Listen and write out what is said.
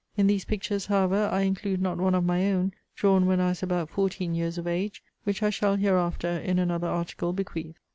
In these pictures, however, I include not one of my own, drawn when I was about fourteen years of age; which I shall hereafter in another article bequeath.